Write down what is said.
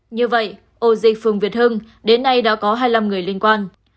như vậy ổ dịch phường việt hưng đến nay đã có hai mươi năm người liên quan